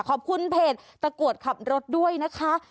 ขอบคุณเพจตะกรวดขับรถด้วยนะคะ